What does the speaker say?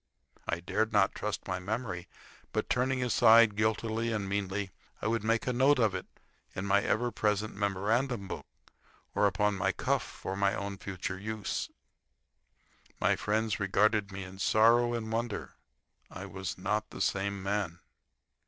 I dared not trust my memory; but, turning aside guiltily and meanly, I would make a note of it in my ever present memorandum book or upon my cuff for my own future use. My friends regarded me in sorrow and wonder. I was not the same man.